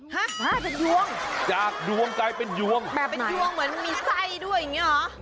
ฮะมาเป็นยวงจากดวงกลายเป็นยวงแบบไหนแบบยวงเหมือนมีไส้ด้วยอย่างนี้หรอ